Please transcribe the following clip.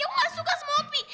aku gak suka sama opi